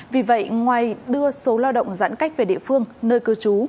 vì vậy ngoài đưa số lao động giãn cách về địa phương nơi cư trú